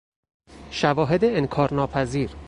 شواهد انکار ناپذیر